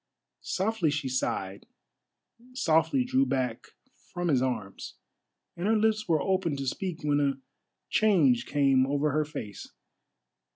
Softly she sighed, softly drew back from his arms, and her lips were opened to speak when a change came over her face.